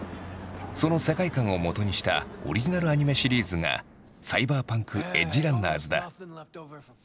その世界観をもとにしたオリジナルアニメシリーズが「サイバーパンク：エッジランナーズ」だ。